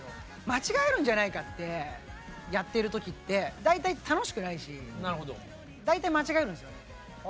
間違えるんじゃないかってやってる時って大体楽しくないし大体間違えるんですよね。